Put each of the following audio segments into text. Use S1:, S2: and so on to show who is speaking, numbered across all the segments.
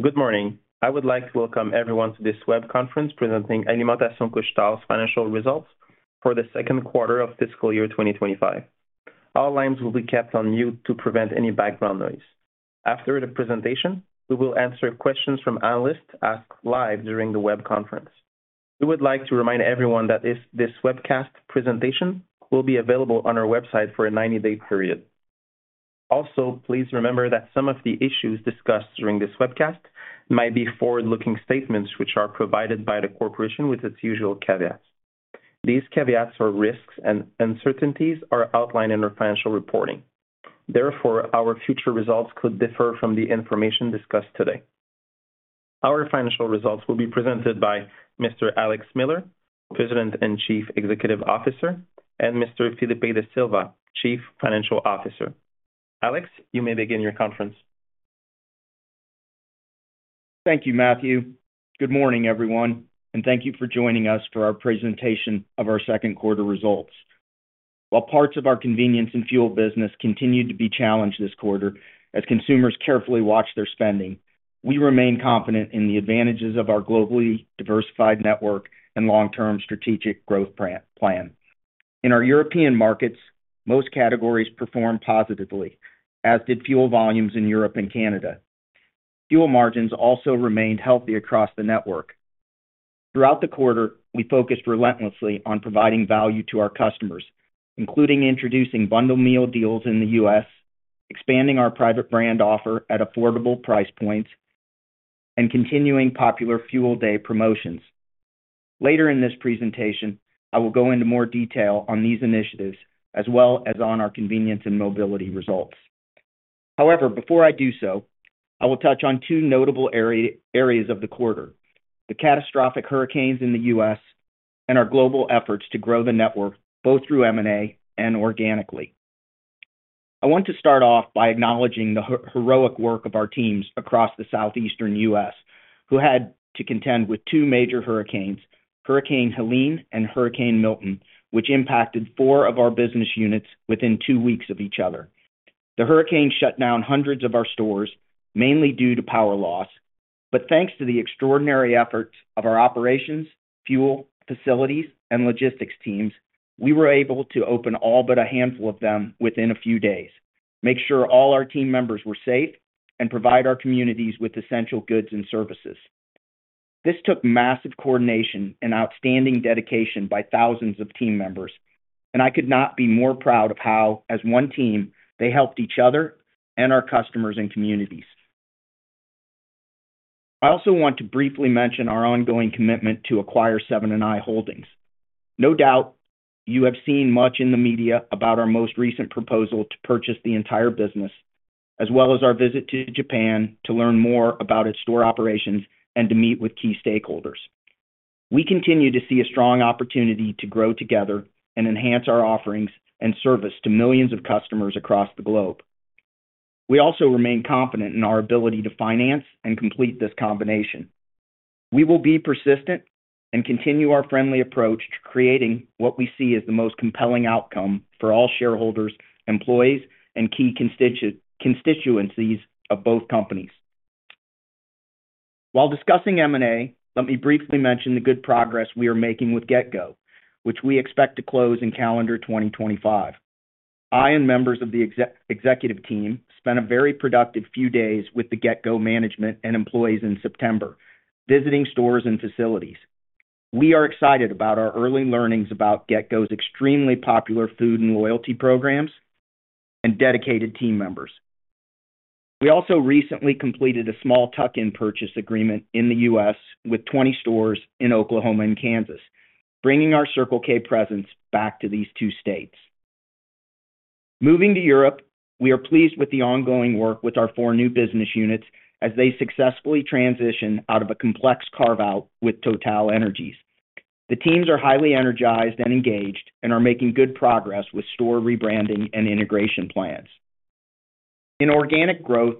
S1: Good morning. I would like to welcome everyone to this web conference presenting Alimentation Couche-Tard's financial results for the second quarter of fiscal year 2025. All lines will be kept on mute to prevent any background noise. After the presentation, we will answer questions from analysts asked live during the web conference. We would like to remind everyone that this webcast presentation will be available on our website for a 90-day period. Also, please remember that some of the issues discussed during this webcast might be forward-looking statements which are provided by the corporation with its usual caveats. These caveats or risks and uncertainties are outlined in our financial reporting. Therefore, our future results could differ from the information discussed today. Our financial results will be presented by Mr. Alex Miller, President and Chief Executive Officer, and Mr. Felipe Da Silva, Chief Financial Officer. Alex, you may begin your conference.
S2: Thank you, Matthew. Good morning, everyone, and thank you for joining us for our presentation of our second quarter results. While parts of our convenience and fuel business continue to be challenged this quarter as consumers carefully watch their spending, we remain confident in the advantages of our globally diversified network and long-term strategic growth plan. In our European markets, most categories performed positively, as did fuel volumes in Europe and Canada. Fuel margins also remained healthy across the network. Throughout the quarter, we focused relentlessly on providing value to our customers, including introducing bundle meal deals in the U.S., expanding our private brand offer at affordable price points, and continuing popular Fuel Day promotions. Later in this presentation, I will go into more detail on these initiatives as well as on our convenience and mobility results. However, before I do so, I will touch on two notable areas of the quarter: the catastrophic hurricanes in the U.S. and our global efforts to grow the network both through M&A and organically. I want to start off by acknowledging the heroic work of our teams across the southeastern U.S., who had to contend with two major hurricanes, Hurricane Helene and Hurricane Milton, which impacted four of our business units within two weeks of each other. The hurricane shut down hundreds of our stores, mainly due to power loss, but thanks to the extraordinary efforts of our operations, fuel, facilities, and logistics teams, we were able to open all but a handful of them within a few days, make sure all our team members were safe, and provide our communities with essential goods and services. This took massive coordination and outstanding dedication by thousands of team members, and I could not be more proud of how, as one team, they helped each other and our customers and communities. I also want to briefly mention our ongoing commitment to acquire Seven & i Holdings. No doubt, you have seen much in the media about our most recent proposal to purchase the entire business, as well as our visit to Japan to learn more about its store operations and to meet with key stakeholders. We continue to see a strong opportunity to grow together and enhance our offerings and service to millions of customers across the globe. We also remain confident in our ability to finance and complete this combination. We will be persistent and continue our friendly approach to creating what we see as the most compelling outcome for all shareholders, employees, and key constituencies of both companies. While discussing M&A, let me briefly mention the good progress we are making with GetGo, which we expect to close in calendar 2025. I and members of the executive team spent a very productive few days with the GetGo management and employees in September, visiting stores and facilities. We are excited about our early learnings about GetGo's extremely popular food and loyalty programs and dedicated team members. We also recently completed a small tuck-in purchase agreement in the U.S. with 20 stores in Oklahoma and Kansas, bringing our Circle K presence back to these two states. Moving to Europe, we are pleased with the ongoing work with our four new business units as they successfully transition out of a complex carve-out with TotalEnergies. The teams are highly energized and engaged and are making good progress with store rebranding and integration plans. In organic growth,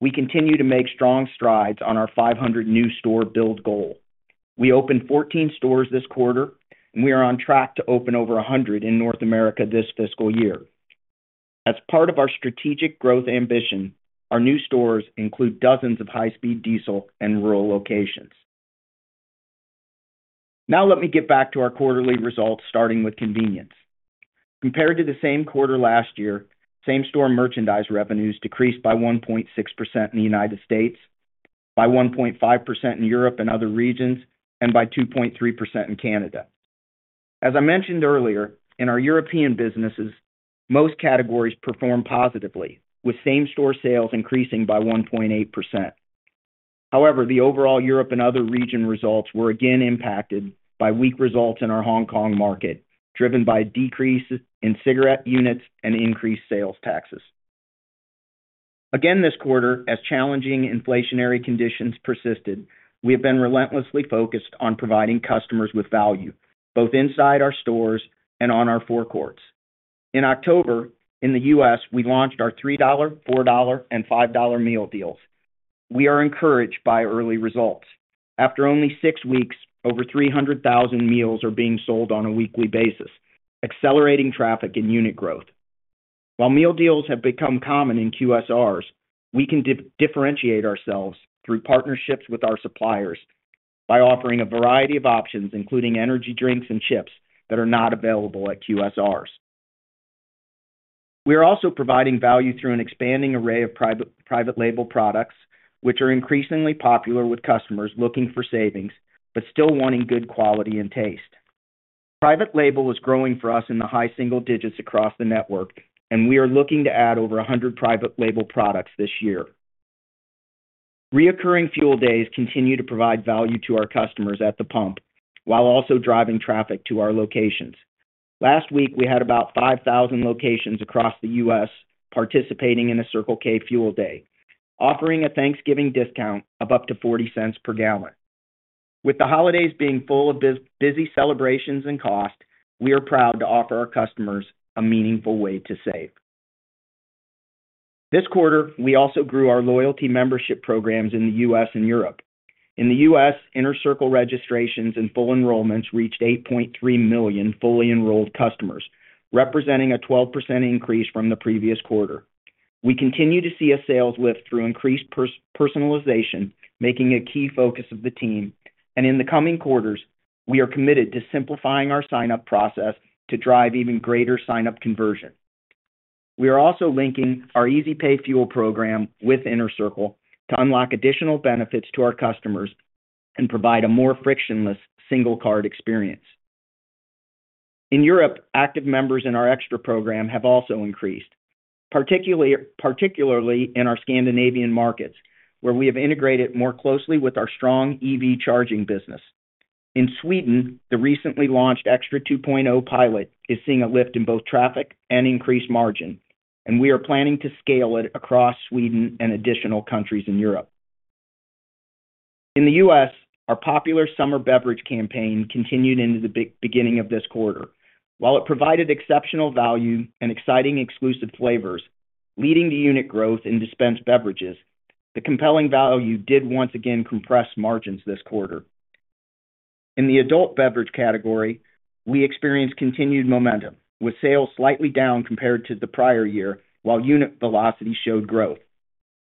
S2: we continue to make strong strides on our 500 new store build goal. We opened 14 stores this quarter, and we are on track to open over 100 in North America this fiscal year. As part of our strategic growth ambition, our new stores include dozens of high-speed diesel and rural locations. Now, let me get back to our quarterly results, starting with convenience. Compared to the same quarter last year, same-store merchandise revenues decreased by 1.6% in the United States, by 1.5% in Europe and other regions, and by 2.3% in Canada. As I mentioned earlier, in our European businesses, most categories performed positively, with same-store sales increasing by 1.8%. However, the overall Europe and other region results were again impacted by weak results in our Hong Kong market, driven by a decrease in cigarette units and increased sales taxes. Again this quarter, as challenging inflationary conditions persisted, we have been relentlessly focused on providing customers with value, both inside our stores and on our forecourts. In October, in the U.S., we launched our $3, $4, and $5 meal deals. We are encouraged by early results. After only six weeks, over 300,000 meals are being sold on a weekly basis, accelerating traffic and unit growth. While meal deals have become common in QSRs, we can differentiate ourselves through partnerships with our suppliers by offering a variety of options, including energy drinks and chips that are not available at QSRs. We are also providing value through an expanding array of private label products, which are increasingly popular with customers looking for savings but still wanting good quality and taste. Private label is growing for us in the high single digits across the network, and we are looking to add over 100 private label products this year. Recurring Fuel Days continue to provide value to our customers at the pump while also driving traffic to our locations. Last week, we had about 5,000 locations across the U.S. participating in a Circle K Fuel Day, offering a Thanksgiving discount of up to $0.40 per gallon. With the holidays being full of busy celebrations and cost, we are proud to offer our customers a meaningful way to save. This quarter, we also grew our loyalty membership programs in the U.S. and Europe. In the US, Inner Circle registrations and full enrollments reached 8.3 million fully enrolled customers, representing a 12% increase from the previous quarter. We continue to see a sales lift through increased personalization, making it a key focus of the team. In the coming quarters, we are committed to simplifying our sign-up process to drive even greater sign-up conversion. We are also linking our Easy Pay fuel program with Inner Circle to unlock additional benefits to our customers and provide a more frictionless single-card experience. In Europe, active members in our Extra program have also increased, particularly in our Scandinavian markets, where we have integrated more closely with our strong EV charging business. In Sweden, the recently launched Extra 2.0 pilot is seeing a lift in both traffic and increased margin, and we are planning to scale it across Sweden and additional countries in Europe. In the U.S., our popular summer beverage campaign continued into the beginning of this quarter. While it provided exceptional value and exciting exclusive flavors, leading to unit growth in dispensed beverages, the compelling value did once again compress margins this quarter. In the adult beverage category, we experienced continued momentum, with sales slightly down compared to the prior year, while unit velocity showed growth.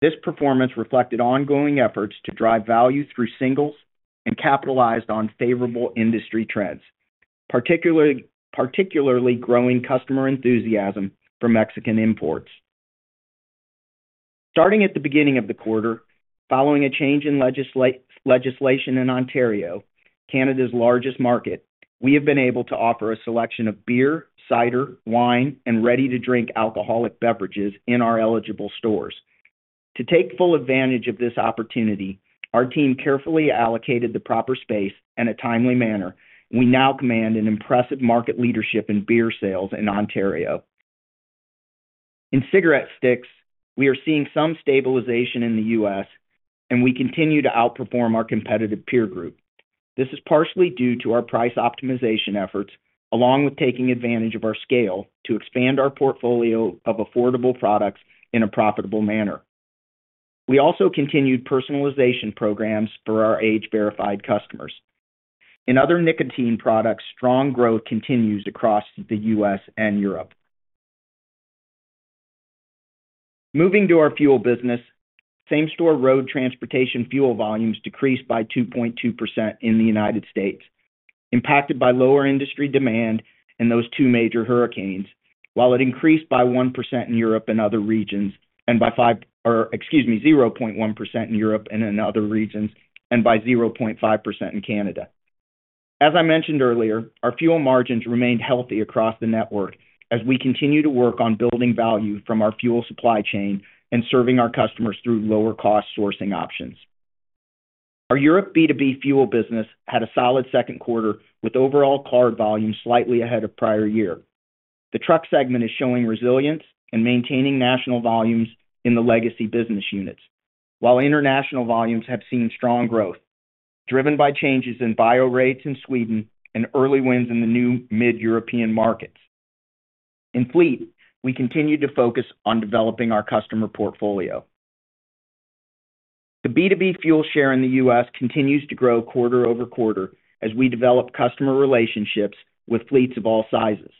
S2: This performance reflected ongoing efforts to drive value through singles and capitalized on favorable industry trends, particularly growing customer enthusiasm for Mexican imports. Starting at the beginning of the quarter, following a change in legislation in Ontario, Canada's largest market, we have been able to offer a selection of beer, cider, wine, and ready-to-drink alcoholic beverages in our eligible stores. To take full advantage of this opportunity, our team carefully allocated the proper space in a timely manner, and we now command an impressive market leadership in beer sales in Ontario. In cigarette sticks, we are seeing some stabilization in the U.S., and we continue to outperform our competitive peer group. This is partially due to our price optimization efforts, along with taking advantage of our scale to expand our portfolio of affordable products in a profitable manner. We also continued personalization programs for our age-verified customers. In other nicotine products, strong growth continues across the U.S. and Europe. Moving to our fuel business, same-store road transportation fuel volumes decreased by 2.2% in the United States, impacted by lower industry demand in those two major hurricanes, while it increased by 1% in Europe and other regions, and by 0.5% in Canada. As I mentioned earlier, our fuel margins remained healthy across the network as we continue to work on building value from our fuel supply chain and serving our customers through lower-cost sourcing options. Our Europe B2B fuel business had a solid second quarter with overall card volume slightly ahead of prior year. The truck segment is showing resilience and maintaining national volumes in the legacy business units, while international volumes have seen strong growth, driven by changes in bio rates in Sweden and early wins in the new mid-European markets. In fleet, we continue to focus on developing our customer portfolio. The B2B fuel share in the U.S. continues to grow quarter over quarter as we develop customer relationships with fleets of all sizes,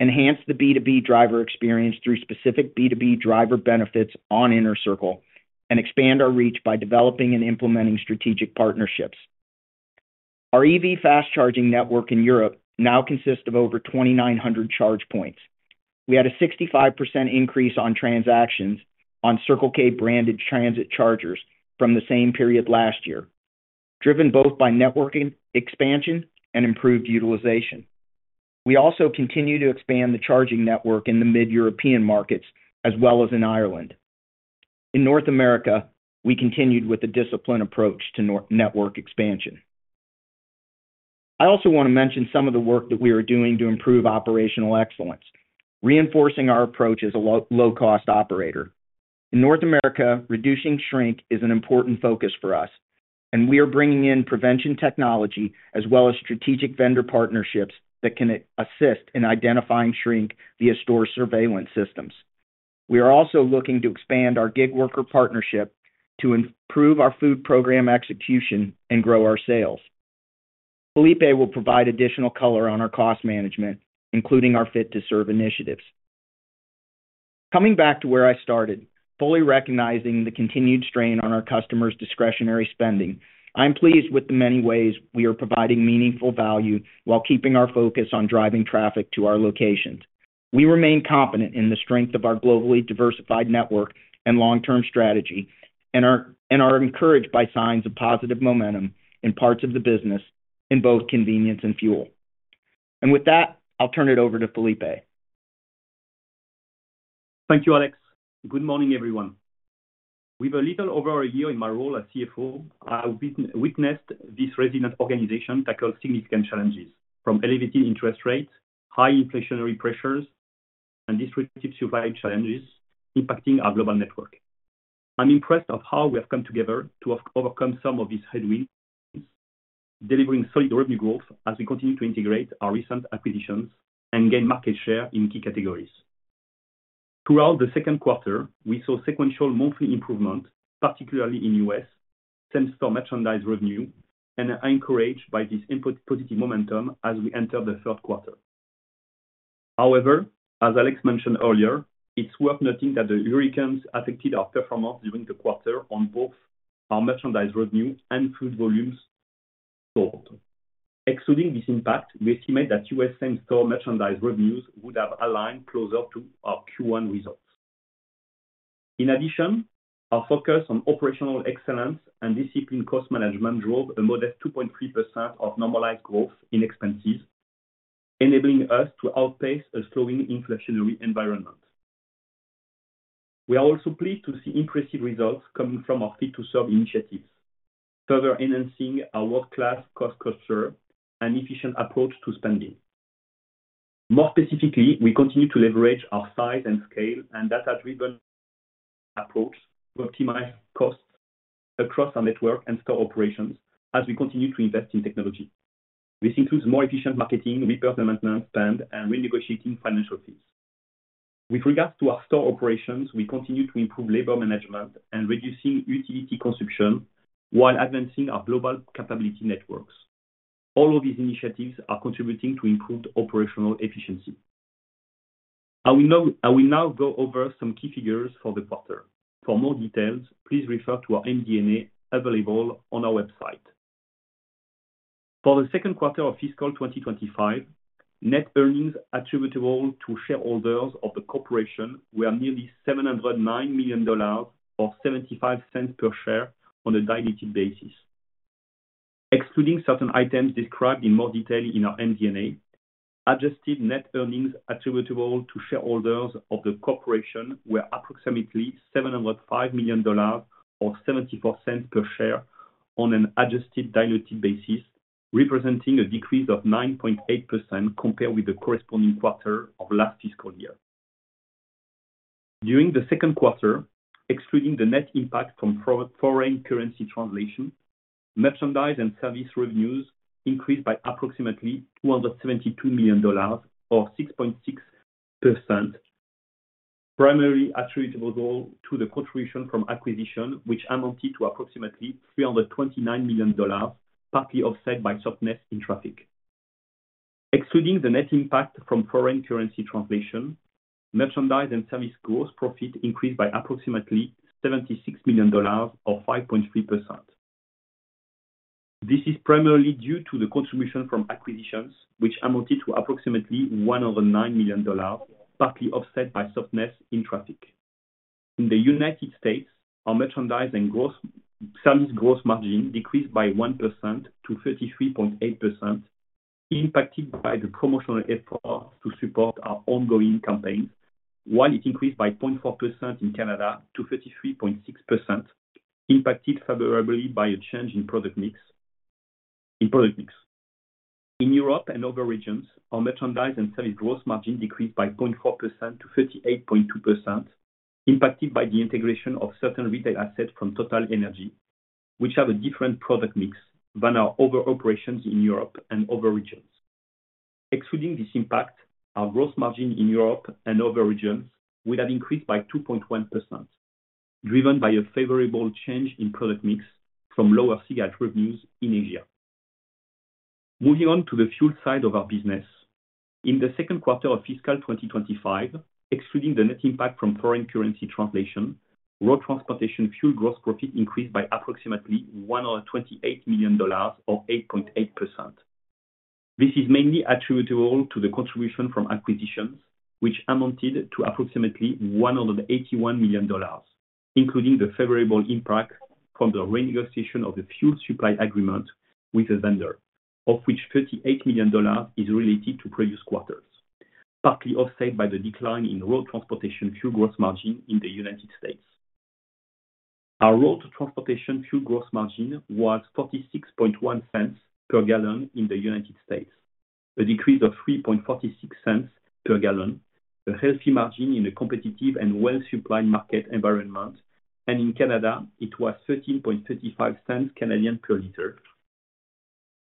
S2: enhance the B2B driver experience through specific B2B driver benefits on Inner Circle, and expand our reach by developing and implementing strategic partnerships. Our EV fast charging network in Europe now consists of over 2,900 charge points. We had a 65% increase on transactions on Circle K branded transit chargers from the same period last year, driven both by network expansion and improved utilization. We also continue to expand the charging network in the mid-European markets as well as in Ireland. In North America, we continued with a disciplined approach to network expansion. I also want to mention some of the work that we are doing to improve operational excellence, reinforcing our approach as a low-cost operator. In North America, reducing shrink is an important focus for us, and we are bringing in prevention technology as well as strategic vendor partnerships that can assist in identifying shrink via store surveillance systems. We are also looking to expand our gig worker partnership to improve our food program execution and grow our sales. Felipe will provide additional color on our cost management, including our Fit to Serve initiatives. Coming back to where I started, fully recognizing the continued strain on our customers' discretionary spending, I am pleased with the many ways we are providing meaningful value while keeping our focus on driving traffic to our locations. We remain confident in the strength of our globally diversified network and long-term strategy, and are encouraged by signs of positive momentum in parts of the business in both convenience and fuel. And with that, I'll turn it over to Felipe.
S3: Thank you, Alex. Good morning, everyone. With a little over a year in my role as CFO, I witnessed this resilient organization tackle significant challenges, from elevated interest rates, high inflationary pressures, and disruptive supply challenges impacting our global network. I'm impressed with how we have come together to overcome some of these headwinds, delivering solid revenue growth as we continue to integrate our recent acquisitions and gain market share in key categories. Throughout the second quarter, we saw sequential monthly improvements, particularly in U.S. same-store merchandise revenue, and encouraged by this positive momentum as we entered the third quarter. However, as Alex mentioned earlier, it's worth noting that the hurricanes affected our performance during the quarter on both our merchandise revenue and fuel volumes total. Excluding this impact, we estimate that U.S. same-store merchandise revenues would have aligned closer to our Q1 results. In addition, our focus on operational excellence and disciplined cost management drove a modest 2.3% of normalized growth in expenses, enabling us to outpace a slowing inflationary environment. We are also pleased to see impressive results coming from our Fit to Serve initiatives, further enhancing our world-class cost structure and efficient approach to spending. More specifically, we continue to leverage our size and scale and data-driven approach to optimize costs across our network and store operations as we continue to invest in technology. This includes more efficient marketing, repairs, and maintenance spend, and renegotiating financial fees. With regards to our store operations, we continue to improve labor management and reduce utility consumption while advancing our global capability networks. All of these initiatives are contributing to improved operational efficiency. I will now go over some key figures for the quarter. For more details, please refer to our MD&A available on our website. For the second quarter of fiscal 2025, net earnings attributable to shareholders of the corporation were nearly $709 million or $0.75 per share on a diluted basis. Excluding certain items described in more detail in our MD&A, adjusted net earnings attributable to shareholders of the corporation were approximately $705 million or $0.74 per share on an adjusted diluted basis, representing a decrease of 9.8% compared with the corresponding quarter of last fiscal year. During the second quarter, excluding the net impact from foreign currency translation, merchandise and service revenues increased by approximately $272 million or 6.6%, primarily attributable to the contribution from acquisition, which amounted to approximately $329 million, partly offset by softness in traffic. Excluding the net impact from foreign currency translation, merchandise and service gross profit increased by approximately $76 million or 5.3%. This is primarily due to the contribution from acquisitions, which amounted to approximately $109 million, partly offset by softness in traffic. In the United States, our merchandise and service gross margin decreased by 1% to 33.8%, impacted by the promotional efforts to support our ongoing campaigns, while it increased by 0.4% in Canada to 33.6%, impacted favorably by a change in product mix. In Europe and other regions, our merchandise and service gross margin decreased by 0.4% to 38.2%, impacted by the integration of certain retail assets from TotalEnergies, which have a different product mix than our other operations in Europe and other regions. Excluding this impact, our gross margin in Europe and other regions would have increased by 2.1%, driven by a favorable change in product mix from lower cigarette revenues in Asia. Moving on to the fuel side of our business, in the second quarter of fiscal 2025, excluding the net impact from foreign currency translation, road transportation fuel gross profit increased by approximately $128 million or 8.8%. This is mainly attributable to the contribution from acquisitions, which amounted to approximately $181 million, including the favorable impact from the renegotiation of the fuel supply agreement with a vendor, of which $38 million is related to previous quarters, partly offset by the decline in road transportation fuel gross margin in the United States. Our road transportation fuel gross margin was $0.461 per gallon in the United States, a decrease of $0.0346 per gallon, a healthy margin in a competitive and well-supplied market environment, and in Canada, it was 0.1335 per liter,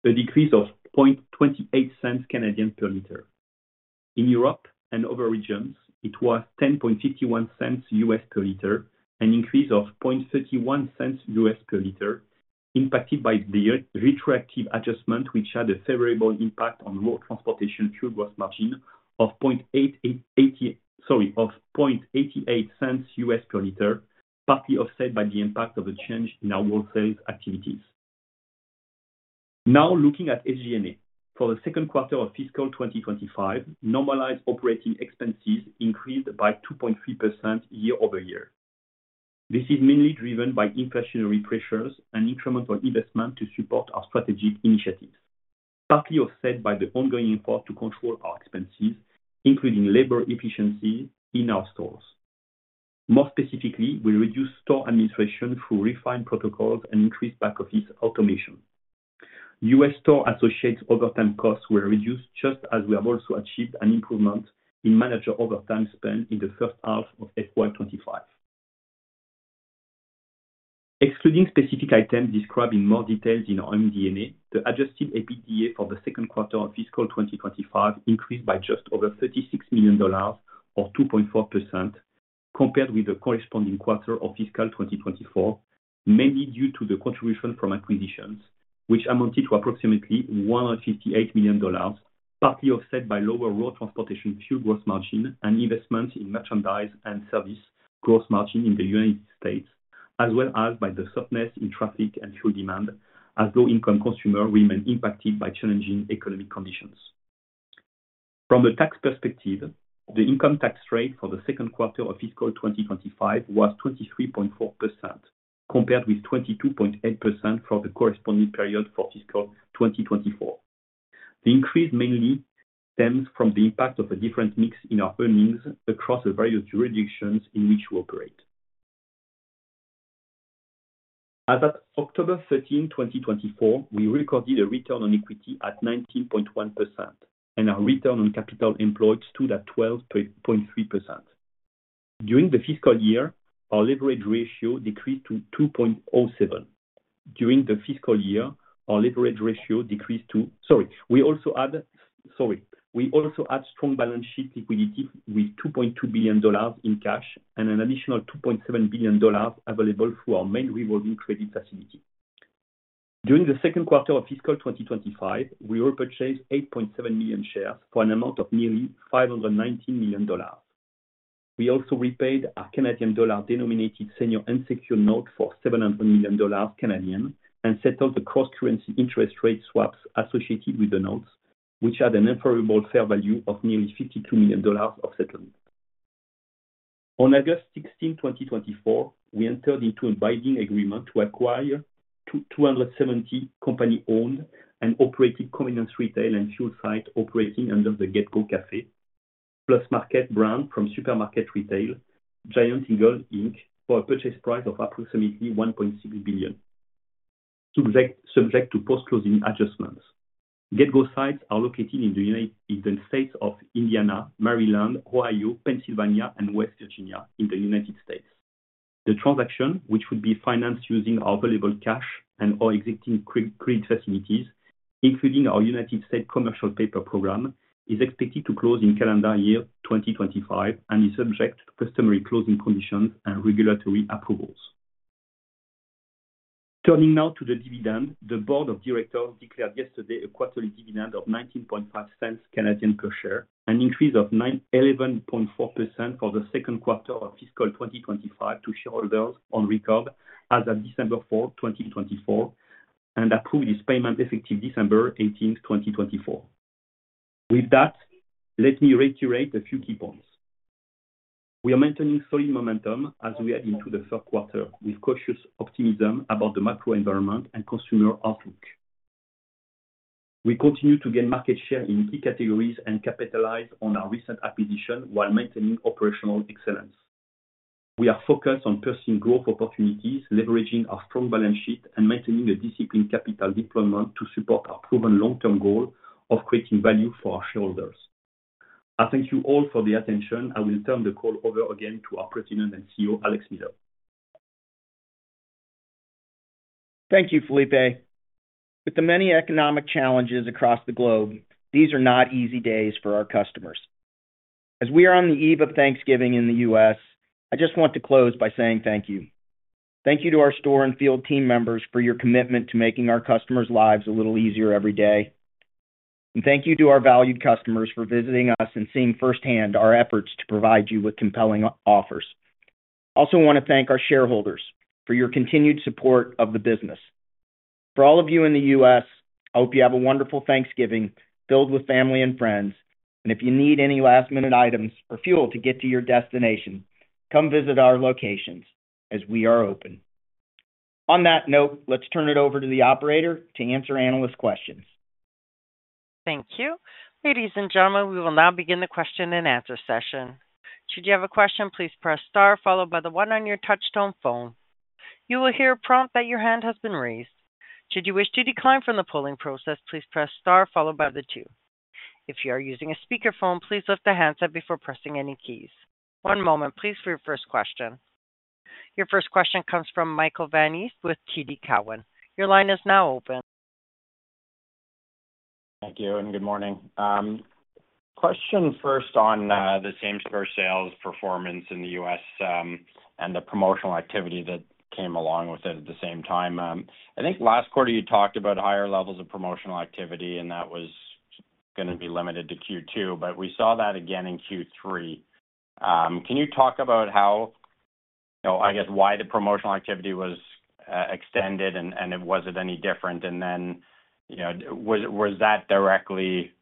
S3: a decrease of 0.0028 per liter. In Europe and other regions, it was $0.1051 per liter, an increase of $0.0031 per liter, impacted by the retroactive adjustment, which had a favorable impact on road transportation fuel gross margin of $0.0088 per liter, partly offset by the impact of the change in our wholesale sales activities. Now, looking at SG&A, for the second quarter of fiscal 2025, normalized operating expenses increased by 2.3% year over year. This is mainly driven by inflationary pressures and incremental investment to support our strategic initiatives, partly offset by the ongoing effort to control our expenses, including labor efficiency in our stores. More specifically, we reduced store administration through refined protocols and increased back-office automation. U.S. store associates overtime costs were reduced, just as we have also achieved an improvement in manager overtime spend in the first half of FY25. Excluding specific items described in more detail in our MD&A, the adjusted EBITDA for the second quarter of fiscal 2025 increased by just over $36 million or 2.4%, compared with the corresponding quarter of fiscal 2024, mainly due to the contribution from acquisitions, which amounted to approximately $158 million, partly offset by lower road transportation fuel gross margin and investment in merchandise and service gross margin in the United States, as well as by the softness in traffic and fuel demand, as low-income consumers remain impacted by challenging economic conditions. From a tax perspective, the income tax rate for the second quarter of fiscal 2025 was 23.4%, compared with 22.8% for the corresponding period for fiscal 2024. The increase mainly stems from the impact of a different mix in our earnings across the various jurisdictions in which we operate. As of October 13, 2024, we recorded a return on equity at 19.1%, and our return on capital employed stood at 12.3%. During the fiscal year, our leverage ratio decreased to 2.07. We also have strong balance sheet liquidity with $2.2 billion in cash and an additional $2.7 billion available through our main revolving credit facility. During the second quarter of fiscal 2025, we repurchased 8.7 million shares for an amount of nearly $519 million. We also repaid our Canadian dollar-denominated senior unsecured note for 700 million Canadian dollars and settled the cross-currency interest rate swaps associated with the notes, which had a negative fair value of nearly $52 million of settlement. On August 16, 2024, we entered into a binding agreement to acquire 270 company-owned and operated convenience retail and fuel sites operating under the GetGo Café + Market brand from supermarket retailer Giant Eagle, Inc., for a purchase price of approximately $1.6 billion, subject to post-closing adjustments. GetGo sites are located in the states of Indiana, Maryland, Ohio, Pennsylvania, and West Virginia in the United States. The transaction, which would be financed using our available cash and/or existing credit facilities, including our United States Commercial Paper Program, is expected to close in calendar year 2025 and is subject to customary closing conditions and regulatory approvals. Turning now to the dividend, the Board of Directors declared yesterday a quarterly dividend of 0.195 per share, an increase of 11.4% for the second quarter of fiscal 2025 to shareholders on record as of December 4, 2024, and approved this payment effective December 18, 2024. With that, let me reiterate a few key points. We are maintaining solid momentum as we head into the third quarter with cautious optimism about the macro environment and consumer outlook. We continue to gain market share in key categories and capitalize on our recent acquisition while maintaining operational excellence. We are focused on pursuing growth opportunities, leveraging our strong balance sheet and maintaining a disciplined capital deployment to support our proven long-term goal of creating value for our shareholders. I thank you all for the attention. I will turn the call over again to our President and CEO, Alex Miller.
S2: Thank you, Felipe. With the many economic challenges across the globe, these are not easy days for our customers. As we are on the eve of Thanksgiving in the US, I just want to close by saying thank you. Thank you to our store and field team members for your commitment to making our customers' lives a little easier every day. And thank you to our valued customers for visiting us and seeing firsthand our efforts to provide you with compelling offers. I also want to thank our shareholders for your continued support of the business. For all of you in the US, I hope you have a wonderful Thanksgiving filled with family and friends, and if you need any last-minute items or fuel to get to your destination, come visit our locations as we are open. On that note, let's turn it over to the operator to answer analyst questions.
S4: Thank you. Ladies and gentlemen, we will now begin the question and answer session. Should you have a question, please press star followed by the one on your touch-tone phone. You will hear a prompt that your hand has been raised. Should you wish to decline from the polling process, please press star followed by the two. If you are using a speakerphone, please lift the handset before pressing any keys. One moment, please, for your first question. Your first question comes from Michael Van Aelst with TD Cowen. Your line is now open.
S5: Thank you and good morning. Question first on the same-store sales performance in the U.S. and the promotional activity that came along with it at the same time. I think last quarter you talked about higher levels of promotional activity, and that was going to be limited to Q2, but we saw that again in Q3. Can you talk about how, I guess, why the promotional activity was extended and it wasn't any different? And then was that directly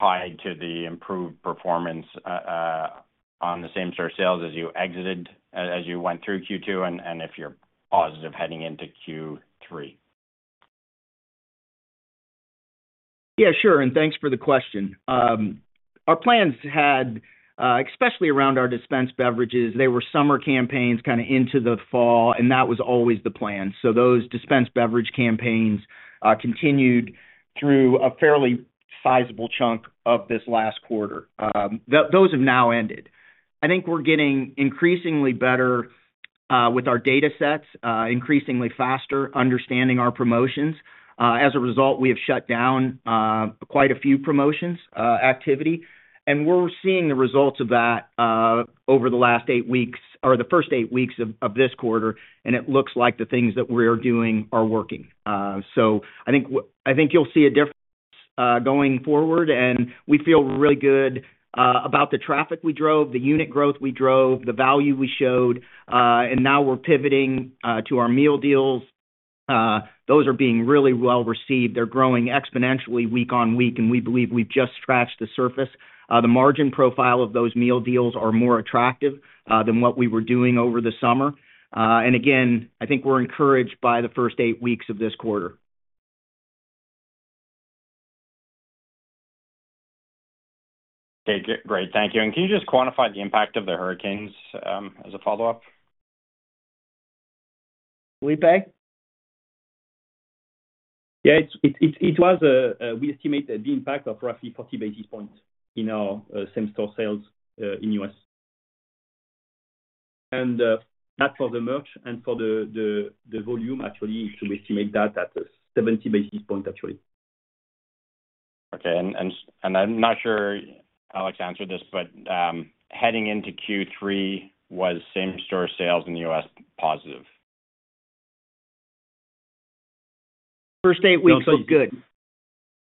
S5: tied to the improved performance on the same store sales as you exited, as you went through Q2 and if you're positive heading into Q3?
S2: Yeah, sure. And thanks for the question. Our plans had, especially around our dispensed beverages, there were summer campaigns kind of into the fall, and that was always the plan. So those dispensed beverage campaigns continued through a fairly sizable chunk of this last quarter. Those have now ended. I think we're getting increasingly better with our data sets, increasingly faster, understanding our promotions. As a result, we have shut down quite a few promotions activity, and we're seeing the results of that over the last eight weeks or the first eight weeks of this quarter, and it looks like the things that we are doing are working. So I think you'll see a difference going forward, and we feel really good about the traffic we drove, the unit growth we drove, the value we showed, and now we're pivoting to our meal deals. Those are being really well received. They're growing exponentially week on week, and we believe we've just scratched the surface. The margin profile of those meal deals are more attractive than what we were doing over the summer. And again, I think we're encouraged by the first eight weeks of this quarter. Okay, great. Thank you, and can you just quantify the impact of the hurricanes as a follow-up? Felipe?
S3: Yeah, it was. We estimate the impact of roughly 40 basis points in our same store sales in U.S. And that for the merch and for the volume, actually, if we estimate that at 70 basis points, actually.
S5: Okay. And I'm not sure Alex answered this, but heading into Q3, was same store sales in the U.S. positive?
S2: First eight weeks was good.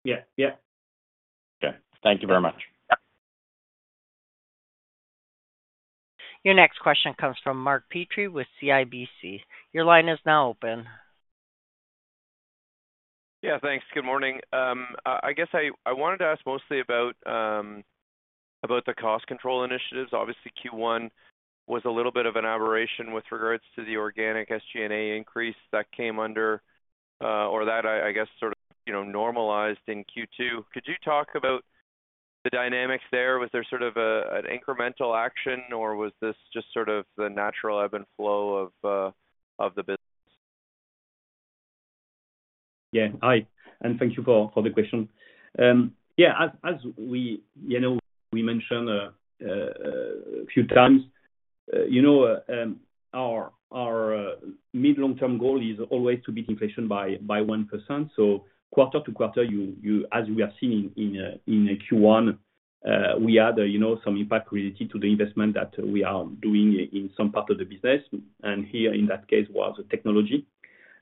S5: Yeah, yeah. Okay. Thank you very much.
S4: Your next question comes from Mark Petrie with CIBC. Your line is now open.
S6: Yeah, thanks. Good morning. I guess I wanted to ask mostly about the cost control initiatives. Obviously, Q1 was a little bit of an aberration with regards to the organic SG&A increase that came under or that, I guess, sort of normalized in Q2. Could you talk about the dynamics there? Was there sort of an incremental action, or was this just sort of the natural ebb and flow of the business?
S2: Yeah. Hi and thank you for the question. Yeah, as we mentioned a few times, our mid-long-term goal is always to beat inflation by 1%. So quarter to quarter, as we have seen in Q1, we had some impact related to the investment that we are doing in some part of the business, and here, in that case, was technology.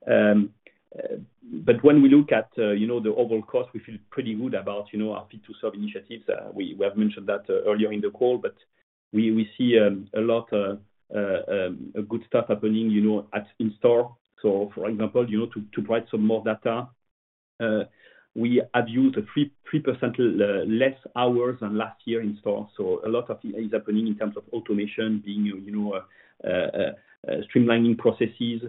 S2: But when we look at the overall cost, we feel pretty good about our Fit to Serve initiatives. We have mentioned that earlier in the call, but we see a lot of good stuff happening in store. So, for example, to provide some more data, we have used 3% less hours than last year in store. So a lot of it is happening in terms of automation, being streamlining processes,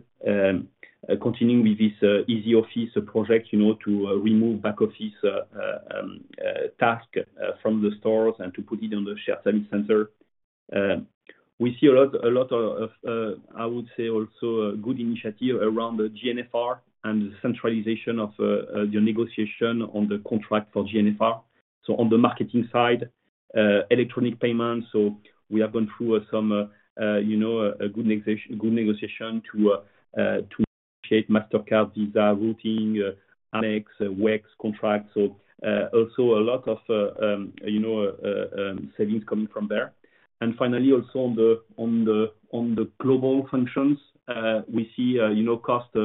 S2: continuing with this Easy Office project to remove back-office task from the stores and to put it on the shared service center. We see a lot of, I would say, also good initiative around the GNFR and the centralization of the negotiation on the contract for GNFR. So on the marketing side, electronic payments. So we have gone through some good negotiation to negotiate Mastercard, Visa, routing, Amex, WEX contracts. So also a lot of savings coming from there. And finally, also on the global functions, we see costs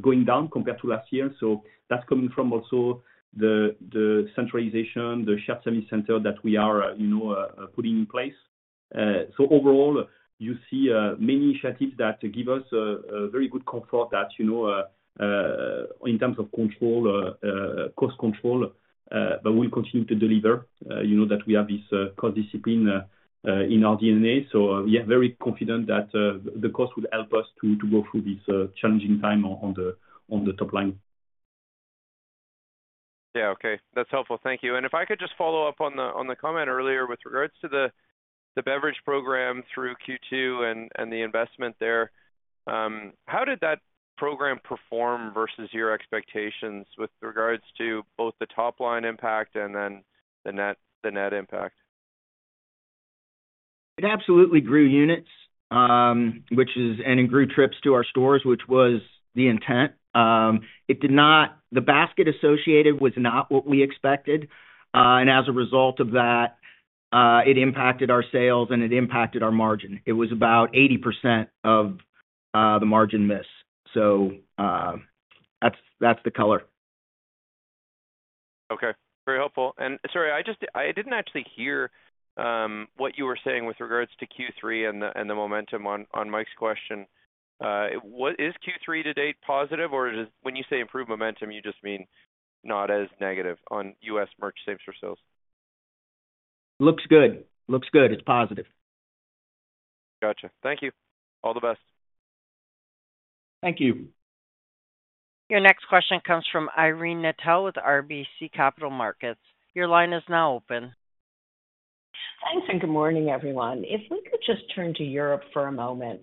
S2: going down compared to last year. So that's coming from also the centralization, the shared service center that we are putting in place. So overall, you see many initiatives that give us very good comfort in terms of cost control, but we'll continue to deliver that we have this core discipline in our DNA. So we are very confident that the cost would help us to go through this challenging time on the top line.
S6: Yeah. Okay. That's helpful. Thank you. And if I could just follow up on the comment earlier with regards to the beverage program through Q2 and the investment there, how did that program perform versus your expectations with regards to both the top line impact and then the net impact?
S2: It absolutely grew units and grew trips to our stores, which was the intent. The basket associated was not what we expected. And as a result of that, it impacted our sales and it impacted our margin. It was about 80% of the margin miss. So that's the color.
S6: Okay. Very helpful. And sorry, I didn't actually hear what you were saying with regards to Q3 and the momentum on Mike's question. Is Q3 to date positive, or when you say improved momentum, you just mean not as negative on US merch same store sales?
S2: Looks good. Looks good. It's positive.
S6: Gotcha. Thank you. All the best.
S2: Thank you.
S4: Your next question comes from Irene Nattel with RBC Capital Markets. Your line is now open.
S7: Thanks. And good morning, everyone. If we could just turn to Europe for a moment.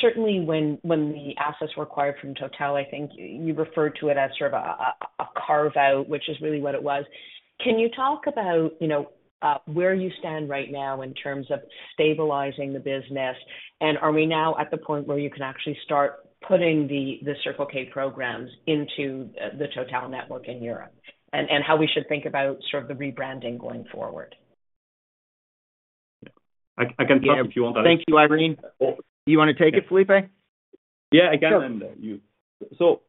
S7: Certainly, when the assets were acquired from Total, I think you referred to it as sort of a carve-out, which is really what it was. Can you talk about where you stand right now in terms of stabilizing the business, and are we now at the point where you can actually start putting the Circle K programs into the Total network in Europe and how we should think about sort of the rebranding going forward?
S3: I can talk if you want to.
S2: Thank you, Irene. You want to take it, Felipe?
S3: Yeah, I can. So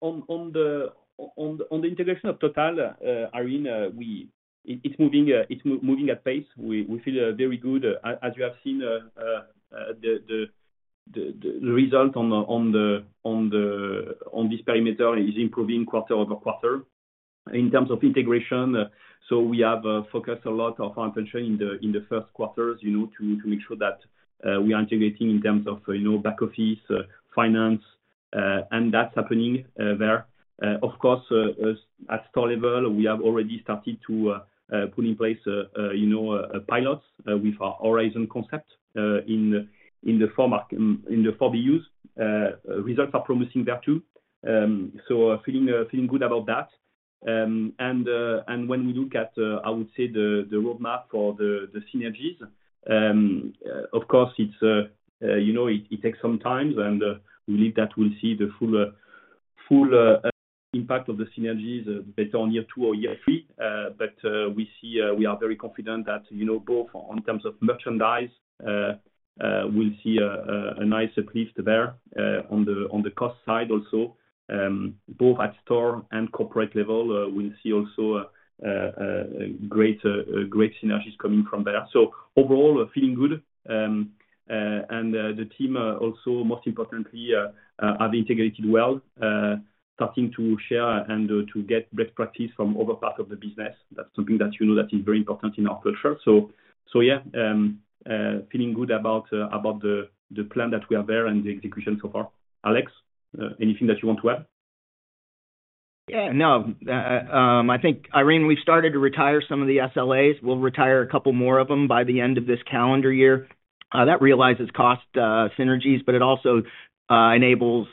S3: on the integration of Total, Irene, it's moving at pace. We feel very good. As you have seen, the result on this perimeter is improving quarter over quarter in terms of integration. So we have focused a lot of our attention in the first quarters to make sure that we are integrating in terms of back-office, finance, and that's happening there. Of course, at store level, we have already started to put in place pilots with our Horizon concept in the four BUs. Results are promising there too, so feeling good about that, and when we look at, I would say, the roadmap for the synergies, of course, it takes some time, and we believe that we'll see the full impact of the synergies better on year two or year three, but we are very confident that both in terms of merchandise, we'll see a nice uplift there on the cost side also. Both at store and corporate level, we'll see also great synergies coming from there, so overall, feeling good, and the team, also most importantly, have integrated well, starting to share and to get best practice from other parts of the business. That's something that you know that is very important in our culture. So yeah, feeling good about the plan that we have there and the execution so far. Alex, anything that you want to add?
S2: Yeah. No, I think, Irene, we've started to retire some of the SLAs. We'll retire a couple more of them by the end of this calendar year. That realizes cost synergies, but it also enables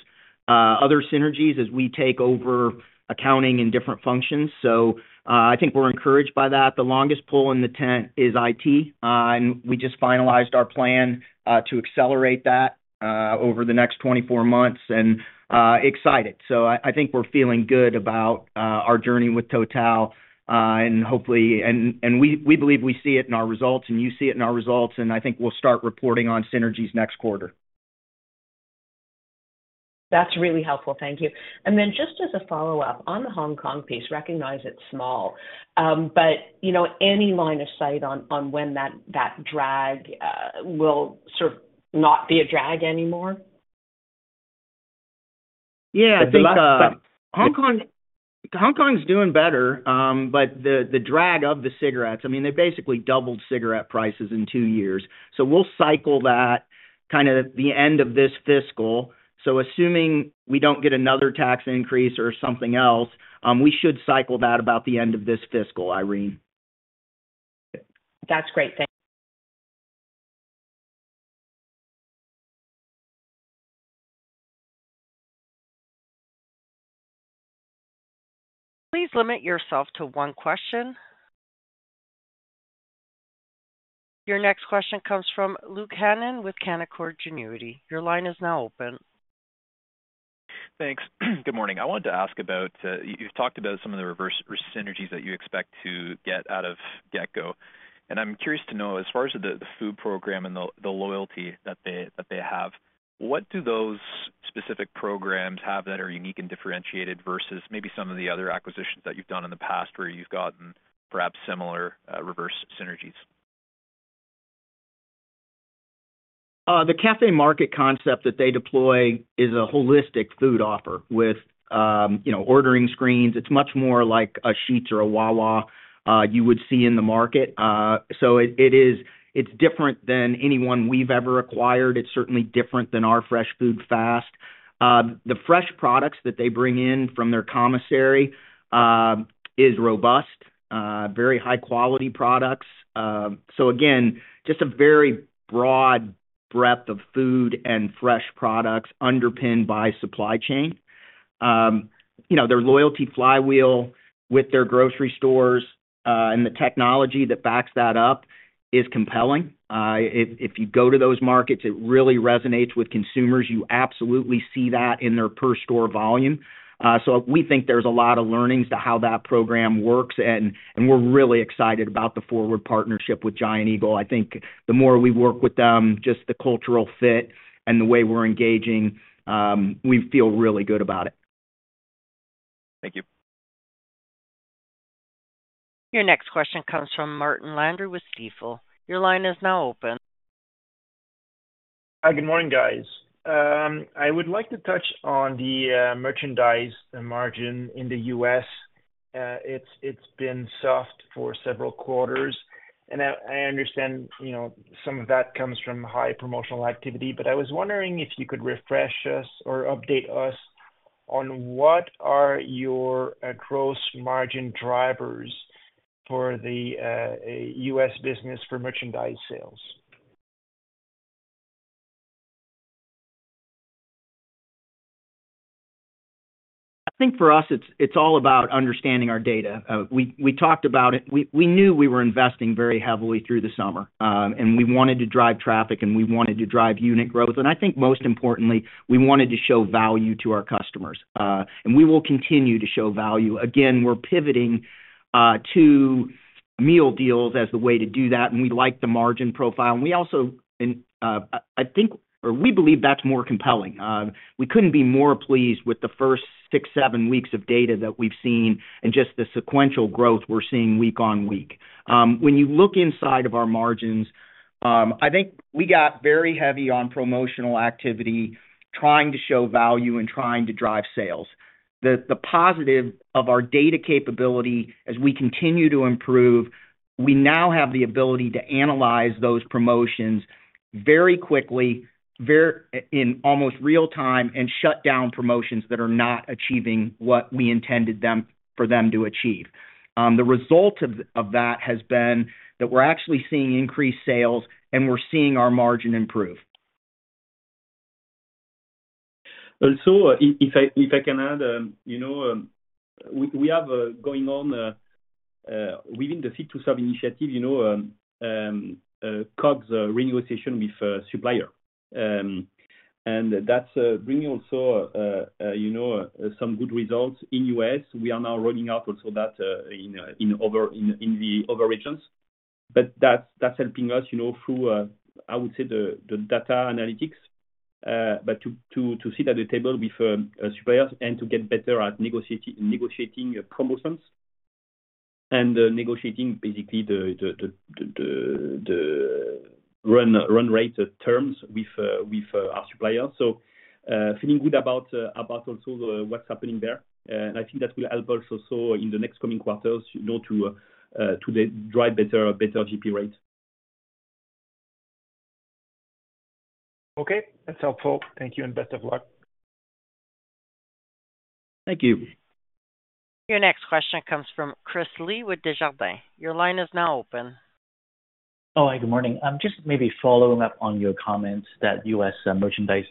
S2: other synergies as we take over accounting in different functions. So I think we're encouraged by that. The longest pole in the tent is IT. And we just finalized our plan to accelerate that over the next 24 months and excited. So I think we're feeling good about our journey with Total. And we believe we see it in our results, and you see it in our results, and I think we'll start reporting on synergies next quarter.
S7: That's really helpful. Thank you. And then just as a follow-up on the Hong Kong piece, recognize it's small, but any line of sight on when that drag will sort of not be a drag anymore?
S2: Yeah. I think Hong Kong's doing better, but the drag of the cigarettes, I mean, they've basically doubled cigarette prices in two years. So we'll cycle that kind of at the end of this fiscal. So assuming we don't get another tax increase or something else, we should cycle that about the end of this fiscal, Irene.
S7: That's great. Thanks.
S4: Please limit yourself to one question. Your next question comes from Luke Hannan with Canaccord Genuity. Your line is now open.
S8: Thanks. Good morning. I wanted to ask about you've talked about some of the reverse synergies that you expect to get out of GetGo. I'm curious to know, as far as the food program and the loyalty that they have, what do those specific programs have that are unique and differentiated versus maybe some of the other acquisitions that you've done in the past where you've gotten perhaps similar reverse synergies?
S2: The Café Market concept that they deploy is a holistic food offer with ordering screens. It's much more like a Sheetz or a Wawa you would see in the market. So it's different than anyone we've ever acquired. It's certainly different than our Fresh Food Fast. The fresh products that they bring in from their commissary are robust, very high-quality products. So again, just a very broad breadth of food and fresh products underpinned by supply chain. Their loyalty flywheel with their grocery stores and the technology that backs that up is compelling. If you go to those markets, it really resonates with consumers. You absolutely see that in their per-store volume. So we think there's a lot of learnings to how that program works, and we're really excited about the forward partnership with Giant Eagle. I think the more we work with them, just the cultural fit and the way we're engaging, we feel really good about it.
S8: Thank you.
S4: Your next question comes from Martin Landry with Stifel. Your line is now open.
S9: Hi. Good morning, guys. I would like to touch on the merchandise margin in the U.S. It's been soft for several quarters. And I understand some of that comes from high promotional activity, but I was wondering if you could refresh us or update us on what are your gross margin drivers for the U.S. business for merchandise sales?
S2: I think for us, it's all about understanding our data. We talked about it. We knew we were investing very heavily through the summer, and we wanted to drive traffic, and we wanted to drive unit growth, and I think most importantly, we wanted to show value to our customers, and we will continue to show value. Again, we're pivoting to meal deals as the way to do that, and we like the margin profile, and we also think, or we believe that's more compelling. We couldn't be more pleased with the first six, seven weeks of data that we've seen and just the sequential growth we're seeing week on week. When you look inside of our margins, I think we got very heavy on promotional activity, trying to show value and trying to drive sales. The positive of our data capability, as we continue to improve, we now have the ability to analyze those promotions very quickly, in almost real time, and shut down promotions that are not achieving what we intended for them to achieve. The result of that has been that we're actually seeing increased sales, and we're seeing our margin improve.
S3: Also, if I can add, we have going on within the Fit to Serve initiative, COGS renegotiation with supplier, and that's bringing also some good results in the U.S. We are now rolling out also that in the other regions. But that's helping us through, I would say, the data analytics, but to sit at the table with suppliers and to get better at negotiating promotions and negotiating basically the run rate terms with our suppliers. So, feeling good about also what's happening there. I think that will help us also in the next coming quarters to drive better GP rates.
S9: Okay. That's helpful. Thank you and best of luck.
S2: Thank you.
S4: Your next question comes from Chris Li with Desjardins. Your line is now open.
S10: Oh, hi. Good morning. I'm just maybe following up on your comments that U.S. merchandise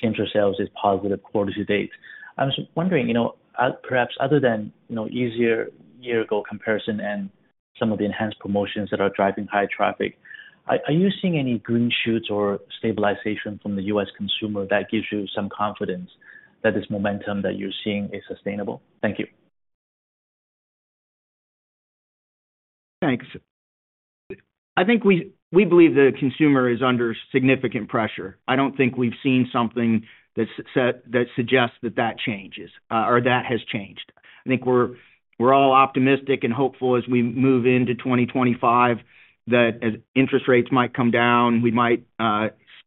S10: same-store sales is positive quarter to date. I was wondering, perhaps other than easier year-ago comparison and some of the enhanced promotions that are driving high traffic, are you seeing any green shoots or stabilization from the U.S. consumer that gives you some confidence that this momentum that you're seeing is sustainable? Thank you.
S2: Thanks. I think we believe the consumer is under significant pressure. I don't think we've seen something that suggests that that changes or that has changed. I think we're all optimistic and hopeful as we move into 2025 that as interest rates might come down, we might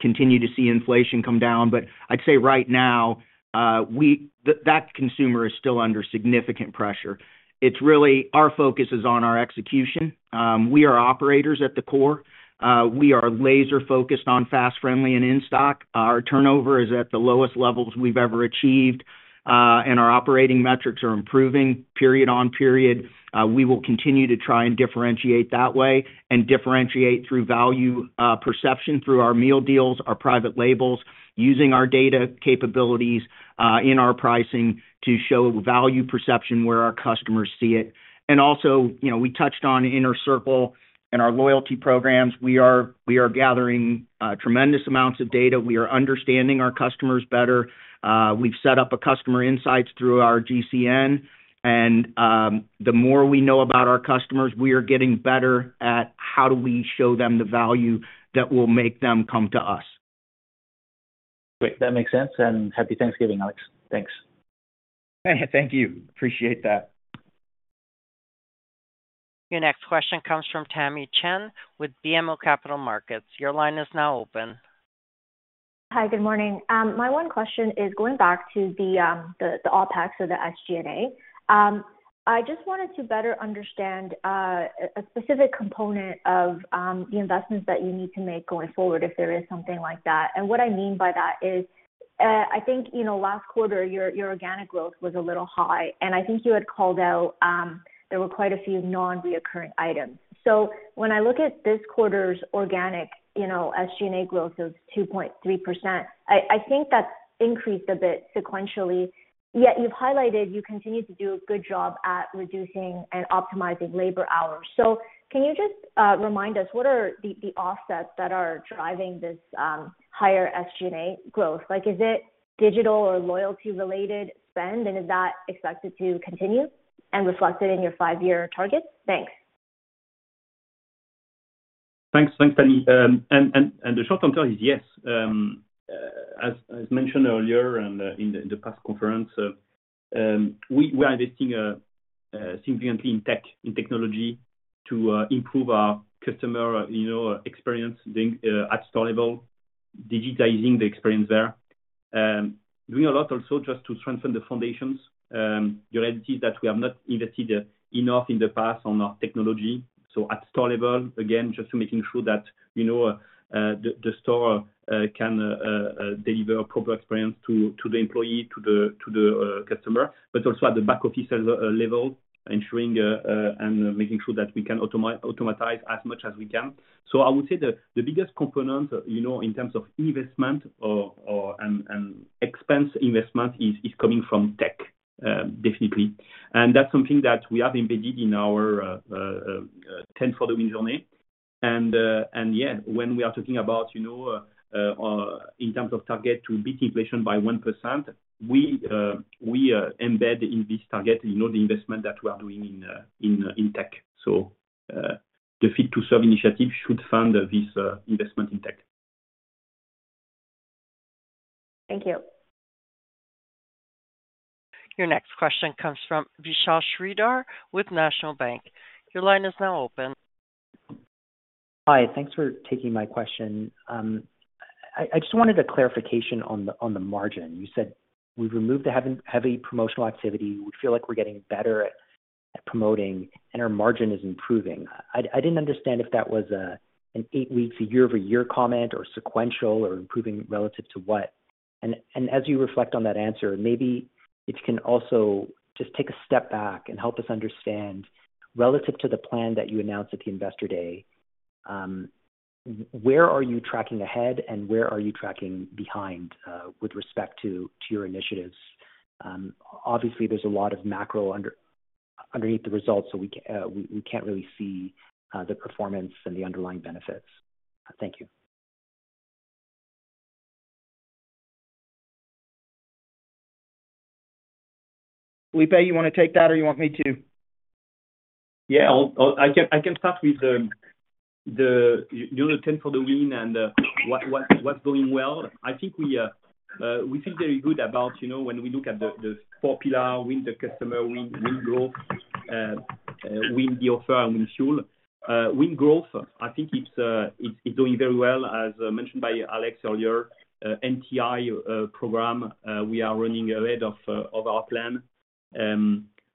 S2: continue to see inflation come down, but I'd say right now, that consumer is still under significant pressure. Our focus is on our execution. We are operators at the core. We are laser-focused on fast, friendly, and in-stock. Our turnover is at the lowest levels we've ever achieved, and our operating metrics are improving period on period. We will continue to try and differentiate that way and differentiate through value perception through our meal deals, our private labels, using our data capabilities in our pricing to show value perception where our customers see it, and also, we touched on Inner Circle and our loyalty programs. We are gathering tremendous amounts of data. We are understanding our customers better. We've set up a customer insights through our GCN. And the more we know about our customers, we are getting better at how do we show them the value that will make them come to us.
S10: Great. That makes sense. And happy Thanksgiving, Alex. Thanks.
S2: Thank you. Appreciate that.
S4: Your next question comes from Tamy Chen with BMO Capital Markets. Your line is now open.
S11: Hi. Good morning. My one question is going back to the OpEx or the SG&A. I just wanted to better understand a specific component of the investments that you need to make going forward if there is something like that. And what I mean by that is I think last quarter, your organic growth was a little high, and I think you had called out there were quite a few non-recurring items. So when I look at this quarter's organic SG&A growth of 2.3%, I think that's increased a bit sequentially. Yet you've highlighted you continue to do a good job at reducing and optimizing labor hours. So can you just remind us, what are the offsets that are driving this higher SG&A growth? Is it digital or loyalty-related spend, and is that expected to continue and reflected in your five-year targets?
S2: Thanks. Thanks, Tamy, and the short answer is yes. As mentioned earlier and in the past conference, we are investing significantly in tech, in technology to improve our customer experience at store level, digitizing the experience there, doing a lot also just to strengthen the foundations. The reality is that we have not invested enough in the past on our technology. So at store level, again, just to making sure that the store can deliver a proper experience to the employee, to the customer, but also at the back office level, ensuring and making sure that we can automatize as much as we can. So I would say the biggest component in terms of investment and expense investment is coming from tech, definitely. And that's something that we have embedded in our 10 for the Win journey. And yeah, when we are talking about in terms of target to beat inflation by 1%, we embed in this target the investment that we are doing in tech. So the Fit to Serve initiative should fund this investment in tech.
S11: Thank you.
S4: Your next question comes from Vishal Shreedhar with National Bank Financial. Your line is now open. Hi.
S12: Thanks for taking my question. I just wanted a clarification on the margin. You said we've removed the heavy promotional activity. We feel like we're getting better at promoting, and our margin is improving. I didn't understand if that was an eight weeks, a year-over-year comment, or sequential, or improving relative to what. And as you reflect on that answer, maybe if you can also just take a step back and help us understand relative to the plan that you announced at the investor day, where are you tracking ahead and where are you tracking behind with respect to your initiatives? Obviously, there's a lot of macro underneath the results, so we can't really see the performance and the underlying benefits. Thank you.
S2: Felipe, you want to take that or you want me to?
S3: Yeah. I can start with your 10 for the Win and what's going well. I think we feel very good about when we look at the four pillars: win the customer, win growth, win the offer, and win fuel. Win growth, I think it's doing very well, as mentioned by Alex earlier. NTI program, we are running ahead of our plan.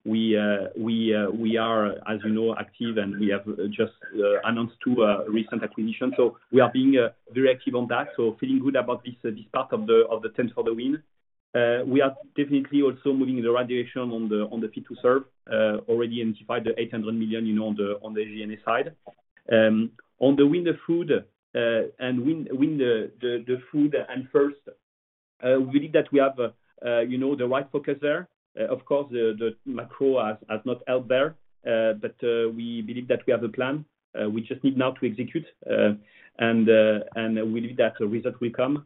S3: We are, as you know, active, and we have just announced two recent acquisitions. So we are being very active on that. So feeling good about this part of the 10 for the Win. We are definitely also moving in the right direction on the Fit to Serve, already identified the $800 million on the SG&A side. On the win the offer and win fuel, we believe that we have the right focus there. Of course, the macro has not helped there, but we believe that we have a plan. We just need now to execute, and we believe that the result will come.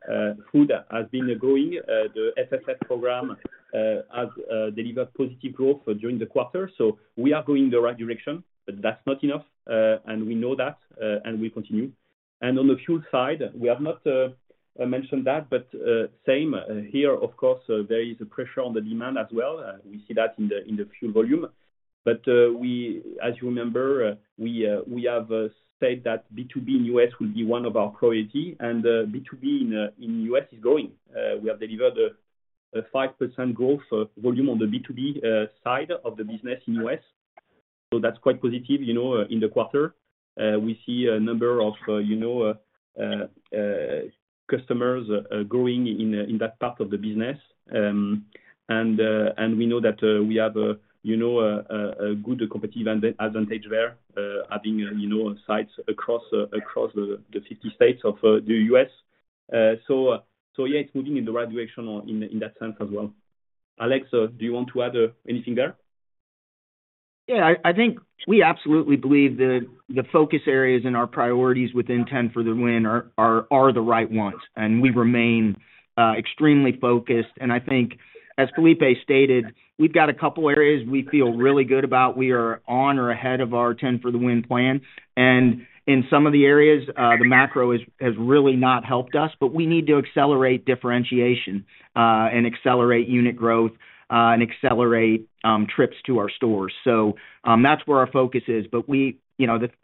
S3: Food has been growing. The FFF program has delivered positive growth during the quarter. So we are going in the right direction, but that's not enough, and we know that, and we'll continue and on the fuel side, we have not mentioned that, but same here, of course, there is a pressure on the demand as well. We see that in the fuel volume but as you remember, we have said that B2B in the U.S. will be one of our priorities, and B2B in the U.S. is growing. We have delivered a 5% growth volume on the B2B side of the business in the U.S. so that's quite positive in the quarter. We see a number of customers growing in that part of the business. And we know that we have a good competitive advantage there, having sites across the 50 states of the U.S. So yeah, it's moving in the right direction in that sense as well. Alex, do you want to add anything there?
S2: Yeah. I think we absolutely believe the focus areas and our priorities within 10 for the Win are the right ones. And we remain extremely focused. And I think, as Felipe stated, we've got a couple of areas we feel really good about. We are on or ahead of our 10 for the Win plan. And in some of the areas, the macro has really not helped us, but we need to accelerate differentiation and accelerate unit growth and accelerate trips to our stores. So that's where our focus is. But the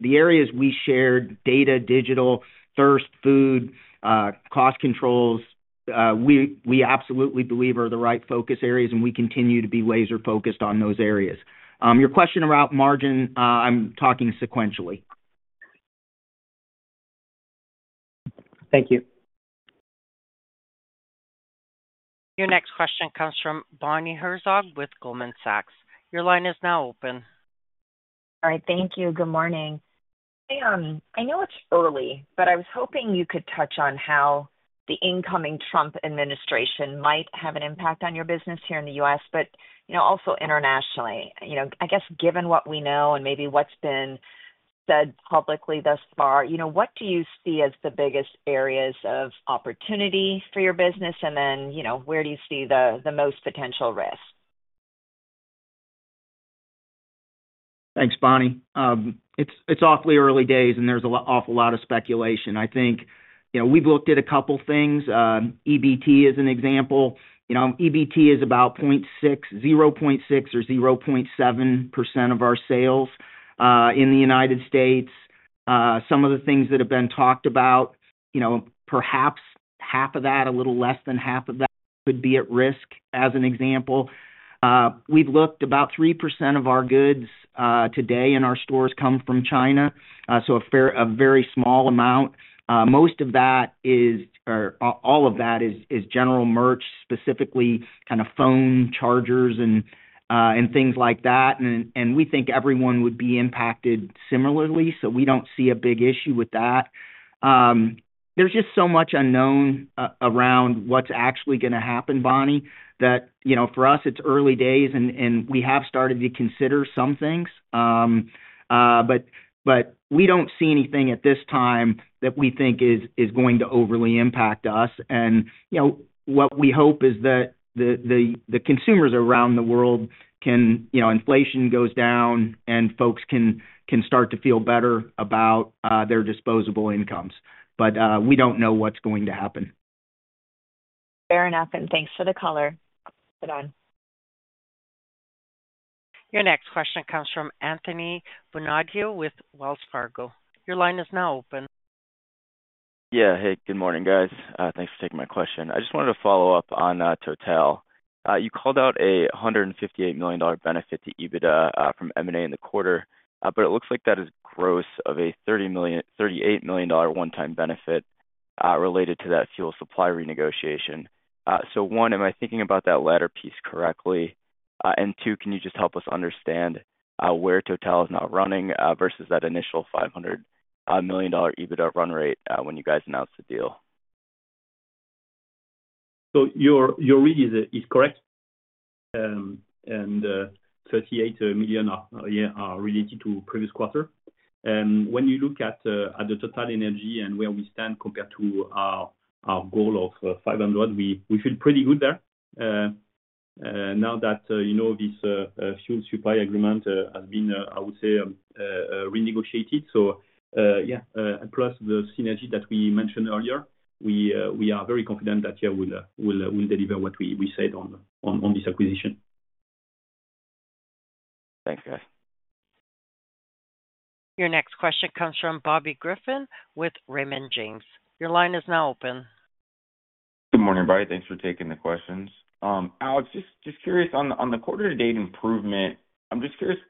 S2: areas we shared: data, digital, thirst, food, cost controls, we absolutely believe are the right focus areas, and we continue to be laser-focused on those areas. Your question about margin, I'm talking sequentially.
S12: Thank you.
S4: Your next question comes from Bonnie Herzog with Goldman Sachs. Your line is now open.
S13: All right. Thank you. Good morning. Hey, I know it's early, but I was hoping you could touch on how the incoming Trump administration might have an impact on your business here in the U.S., but also internationally. I guess, given what we know and maybe what's been said publicly thus far, what do you see as the biggest areas of opportunity for your business, and then where do you see the most potential risk?
S2: Thanks, Bonnie. It's awfully early days, and there's an awful lot of speculation. I think we've looked at a couple of things. EBT is an example. EBT is about 0.6, 0.6, or 0.7% of our sales in the United States. Some of the things that have been talked about, perhaps half of that, a little less than half of that could be at risk, as an example. We've looked at about 3% of our goods today in our stores come from China, so a very small amount. Most of that, all of that is general merch, specifically kind of phone chargers and things like that. And we think everyone would be impacted similarly, so we don't see a big issue with that. There's just so much unknown around what's actually going to happen, Bonnie, that for us, it's early days, and we have started to consider some things. But we don't see anything at this time that we think is going to overly impact us. What we hope is that the consumers around the world, as inflation goes down, and folks can start to feel better about their disposable incomes. But we don't know what's going to happen.
S13: Fair enough. And thanks for the color. You're done.
S4: Your next question comes from Anthony Bonadio with Wells Fargo. Your line is now open.
S14: Yeah. Hey, good morning, guys. Thanks for taking my question. I just wanted to follow up on Total. You called out a $158 million benefit to EBITDA from M&A in the quarter, but it looks like that is gross of a $38 million one-time benefit related to that fuel supply renegotiation. So one, am I thinking about that latter piece correctly? And two, can you just help us understand where Total is now running versus that initial $500 million EBITDA run rate when you guys announced the deal?
S3: So your read is correct. And $38 million are related to previous quarter. When you look at TotalEnergies and where we stand compared to our goal of $500, we feel pretty good there. Now that this fuel supply agreement has been, I would say, renegotiated. So yeah, plus the synergy that we mentioned earlier, we are very confident that we will deliver what we said on this acquisition.
S14: Thanks, guys.
S4: Your next question comes from Bobby Griffin with Raymond James. Your line is now open.
S15: Good morning, Brian. Thanks for taking the questions. Alex, just curious, on the quarter-to-date improvement, I'm just curious,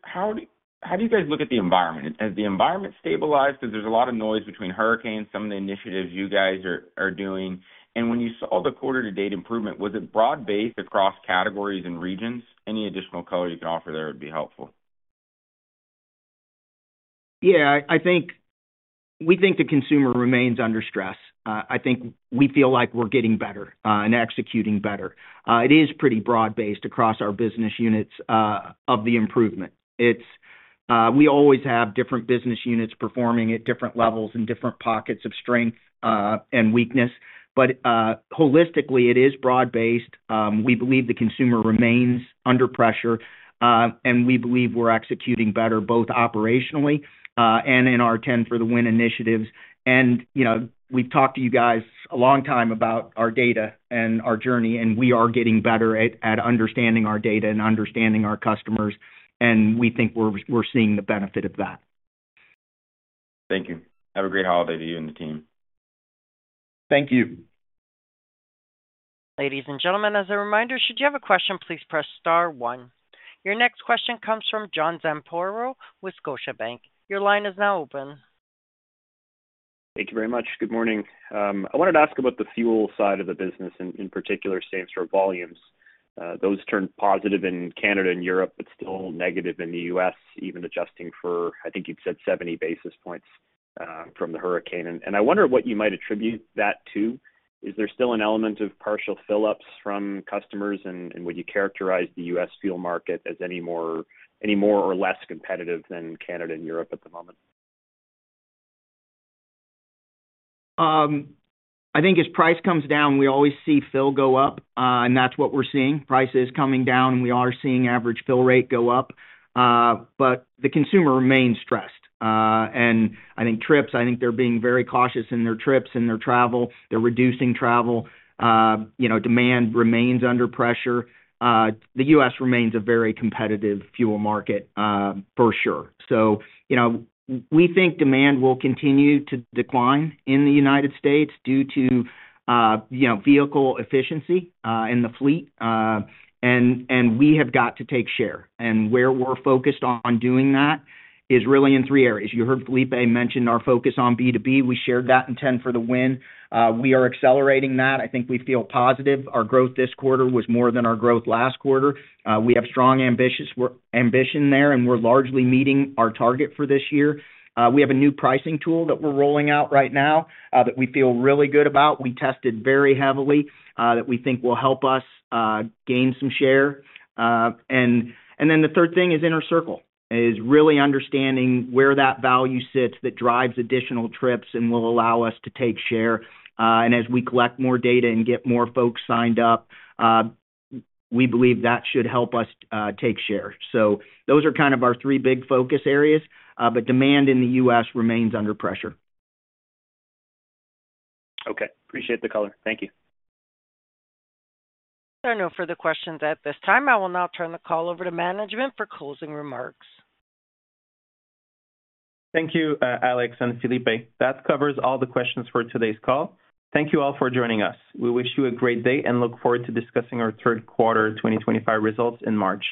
S15: how do you guys look at the environment? Has the environment stabilized? Because there's a lot of noise between hurricanes, some of the initiatives you guys are doing. And when you saw the quarter-to-date improvement, was it broad-based across categories and regions? Any additional color you can offer there would be helpful.
S2: Yeah. I think the consumer remains under stress. I think we feel like we're getting better and executing better. It is pretty broad-based across our business units of the improvement. We always have different business units performing at different levels and different pockets of strength and weakness, but holistically, it is broad-based. We believe the consumer remains under pressure, and we believe we're executing better both operationally and in our 10 for the Win initiatives, and we've talked to you guys a long time about our data and our journey, and we are getting better at understanding our data and understanding our customers, and we think we're seeing the benefit of that.
S15: Thank you. Have a great holiday to you and the team.
S2: Thank you.
S4: Ladies and gentlemen, as a reminder, should you have a question, please press star one. Your next question comes from John Zamparo with Scotiabank. Your line is now open.
S16: Thank you very much. Good morning. I wanted to ask about the fuel side of the business, in particular, sales volumes. Those turned positive in Canada and Europe, but still negative in the U.S., even adjusting for, I think you'd said, 70 basis points from the hurricane. And I wonder what you might attribute that to. Is there still an element of partial fill-ups from customers? And would you characterize the U.S. fuel market as any more or less competitive than Canada and Europe at the moment?
S2: I think as price comes down, we always see fill go up, and that's what we're seeing. Price is coming down, and we are seeing average fill rate go up. But the consumer remains stressed. And I think trips. I think they're being very cautious in their trips, in their travel. They're reducing travel. Demand remains under pressure. The U.S. remains a very competitive fuel market for sure. So we think demand will continue to decline in the United States due to vehicle efficiency in the fleet. And we have got to take share. And where we're focused on doing that is really in three areas. You heard Felipe mention our focus on B2B. We shared that in 10 for the Win. We are accelerating that. I think we feel positive. Our growth this quarter was more than our growth last quarter. We have strong ambition there, and we're largely meeting our target for this year. We have a new pricing tool that we're rolling out right now that we feel really good about. We tested very heavily that we think will help us gain some share. And then the third thing is Inner Circle, is really understanding where that value sits that drives additional trips and will allow us to take share. And as we collect more data and get more folks signed up, we believe that should help us take share. So those are kind of our three big focus areas, but demand in the U.S. remains under pressure.
S16: Okay. Appreciate the color. Thank you.
S4: There are no further questions at this time. I will now turn the call over to management for closing remarks.
S1: Thank you, Alex and Felipe. That covers all the questions for today's call. Thank you all for joining us. We wish you a great day and look forward to discussing our third quarter 2025 results in March.